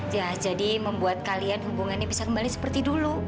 ya jadi membuat kalian hubungannya bisa kembali seperti dulu